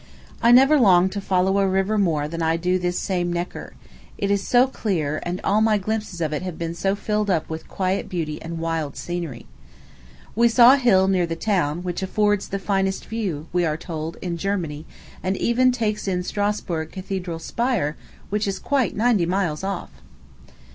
I never longed to follow a river more than I do this same Neckar it is so clear, and all my glimpses of it have been so filled up with quiet beauty and wild scenery. We saw a hill, near the town, which affords the finest view, we are told, in Germany, and even takes in Strasburg Cathedral spire, which is quite ninety miles off!